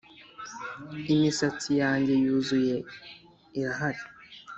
imisatsi yanjye yuzuye irahari